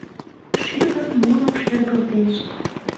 Шӱвыр муро шергылтеш...